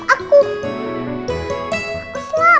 aku selamat deh